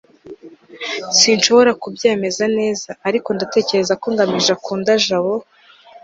sinshobora kubyemeza neza, ariko ndatekereza ko ngamije akunda jabo